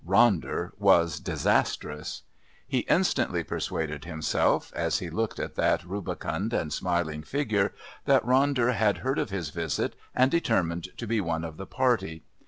Ronder was disastrous. He instantly persuaded himself, as he looked at that rubicund and smiling figure, that Ronder had heard of his visit and determined to be one of the party.